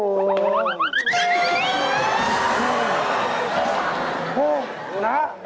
โอ้โฮนะ